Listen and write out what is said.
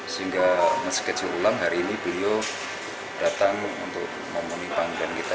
sehingga meski kecil ulang hari ini beliau datang untuk memenuhi panggilan kita